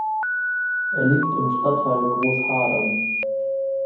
Er liegt im Stadtteil Großhadern.